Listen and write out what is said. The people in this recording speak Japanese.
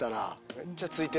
めっちゃついてる。